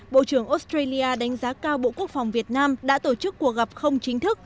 bộ trưởng australia đánh giá cao bộ quốc phòng việt nam đã tổ chức cuộc gặp không chính thức